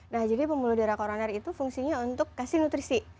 nah jadi pembuluh darah koroner itu fungsinya untuk kasih nutrisi